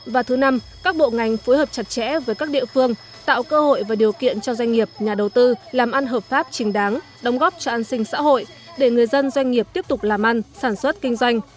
và thứ năm các bộ ngành phối hợp chặt chẽ với các địa phương tạo cơ hội và điều kiện cho doanh nghiệp nhà đầu tư làm ăn hợp pháp trình đáng đồng góp cho an sinh xã hội để người dân doanh nghiệp tiếp tục làm ăn sản xuất kinh doanh